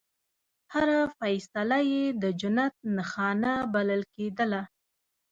هره فیصله یې د جنت نښانه بلل کېدله.